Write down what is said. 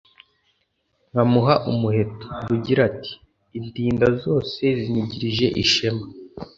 nkamuha umuheto? Rugira ati: Indinda zose zinigirije ishema